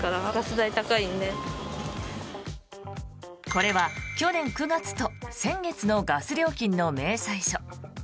これは去年９月と先月のガス料金の明細書。